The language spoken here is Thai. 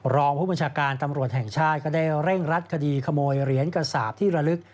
รองผู้บัญชาการตำรวจแห่งชาติก็ได้เร่งรัดคดีขโมยเหรียญกระสาปที่ระลึก